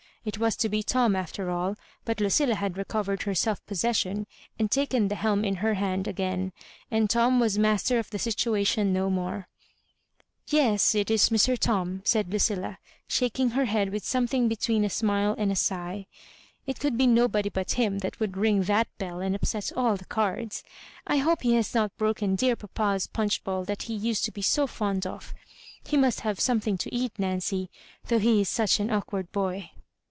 It was to be Tom after all ; but Lucilla had recovered her self possession, and taken the helm in her hand again, and Tom was master of the situation no more. " Yes, it is Mr. Tom," said Ludlla^ shaking her head with somethmg between a smile and a sigh. " It could be nobody but him that would ring that bell and upset an the cards. I hope he has not broken dear papa's punch bowl that he used to be so fond of. He must have some thing to eat, Nancy, though he is such an awk ward boy."